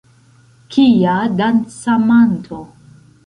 Kia dancamanto!